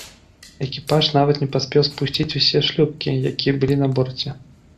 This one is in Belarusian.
Экіпаж нават не паспеў спусціць усё шлюпкі, якія былі на борце.